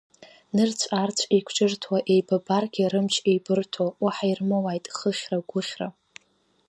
Нырцә-аарцә еиқәҿырҭуа, еибабаргьы рымч еибырҭо, уаҳа ирмоуааит хыхьра-гәыхьра…